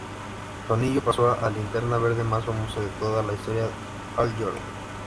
Su anillo pasó al Linterna Verde más famoso de toda la historia, Hal Jordan.